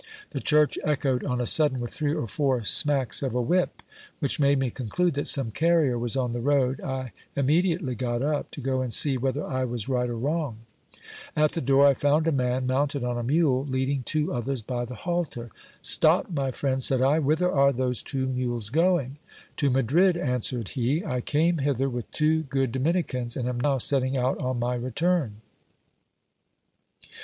The church echoed on a sudden with three or four smacks of a whip, which made me conclude that some carrier was on the' road. I immediately got up to go and see whether I was right or wrong. At the door I found a man, mounted on a mule, leading two others by the halter. Stop, my friend, said I, whither are those two mules going ? To Madrid, answered he. I came hither with two good Dominicans, and am now setting out on my return.